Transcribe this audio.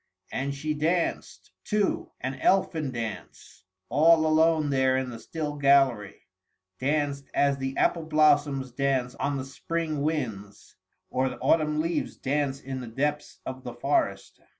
And she danced, too, an elfin dance, all alone there in the still gallery, danced as the apple blossoms dance on the spring winds, or the autumn leaves dance in the depths of the forest.